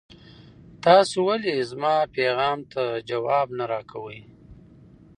تاسو ولې زما پیغام ته ځواب نه راکوئ؟